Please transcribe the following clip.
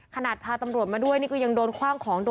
ขณะพาตำรวจมาด้วยก็ยังโดนคว่างของ